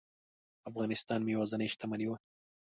افغانستان مې یوازینۍ شتمني وه.